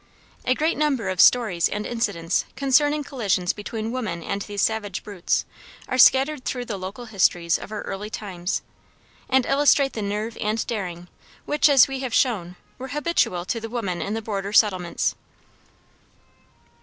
A great number of stories and incidents concerning collisions between women and these savage brutes are scattered through the local histories of our early times, and illustrate the nerve and daring which, as we have shown, were habitual to the women in the border settlements.